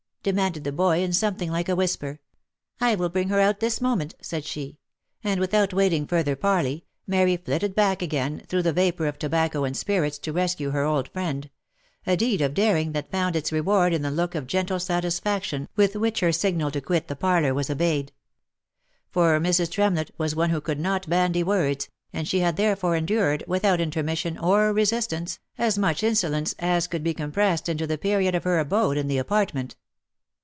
demanded the boy in something like a whisper. " I will bring her out this moment," said she ; and, without waiting further parley, Mary flitted back again through the vapour of tobacco and spirits to rescue her old friend, — a deed of daring that found its reward in the look of gentle satisfaction with which her signal to quit the parlour was obeyed ; for Mrs. Tremlett was one who could not bandy words, and she had therefore endured, without intermission or resistance, as much insolence as could be compressed into the period of her abode in the apartment.